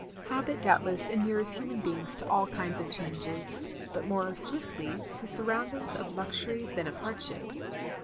Habit doubtless inures human beings to all kinds of changes ; but more swiftly to surroundings of luxury than of hardship.